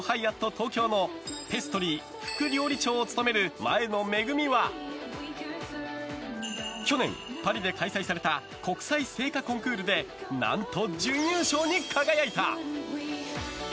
東京のペストリー副料理長を務める前野めぐみは去年、パリで開催された国際製菓コンクールで何と準優勝に輝いた！